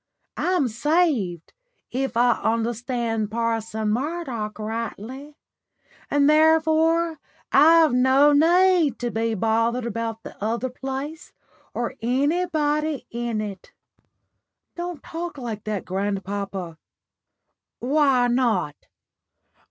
I'm 'saved,' if I understand Parson Murdoch rightly; and, therefore I've no need to be bothered about the other place or anybody in it." "Don't talk like that, grandpapa." "Why not?